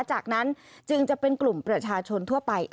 จากนั้นจึงจะเป็นกลุ่มประชาชนทั่วไป